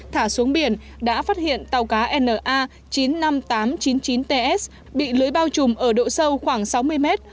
thả xuống biển đã phát hiện tàu cá na chín mươi năm nghìn tám trăm chín mươi chín ts bị lưới bao trùm ở độ sâu khoảng sáu mươi mét